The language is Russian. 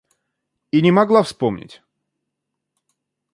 И не могла вспомнить.